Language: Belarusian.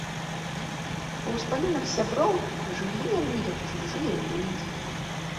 Па ўспамінах сяброў, жылі яны як чужыя людзі.